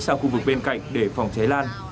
sang khu vực bên cạnh để phòng cháy lan